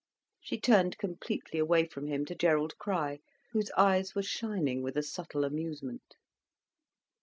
She turned completely away from him, to Gerald Crich, whose eyes were shining with a subtle amusement.